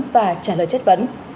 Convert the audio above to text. và trả lời chất vấn